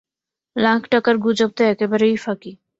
লাখ টাকার গুজব তো একেবারেই ফাঁকি।